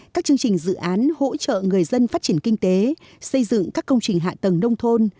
các chương trình dự án hỗ trợ người dân phát triển kinh tế xây dựng các công trình hạ tầng nông thôn